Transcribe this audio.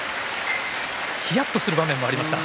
ひやっとする場面もありました。